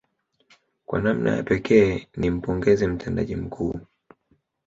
Kwa namna ya pekee ni mpongeze mtendaji mkuu